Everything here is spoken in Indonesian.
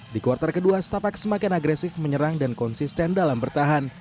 di kuartal kedua setapak semakin agresif menyerang dan konsisten dalam bertahan